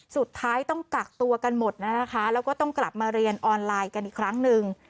สุดท้ายต้องกักตัวกันหมดนะคะแล้วก็ต้องกลับมาเรียนออนไลน์กันอีกครั้งหนึ่ง